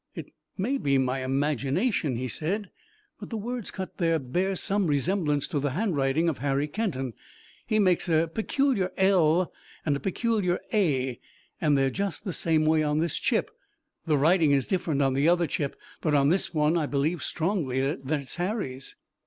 "It may be imagination," he said, "but the words cut there bear some resemblance to the handwriting of Harry Kenton. He makes a peculiar L and a peculiar A and they're just the same way on this chip. The writing is different on the other chip, but on this one I believe strongly that it's Harry's."